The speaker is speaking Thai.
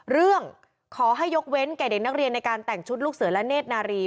เรื่องขอให้ยกเว้นแก่เด็กนักเรียนในการแต่งชุดลูกเสือและเนธนารี